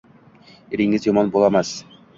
Eringiz yomon bolamas.